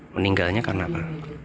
meninggalnya karena apa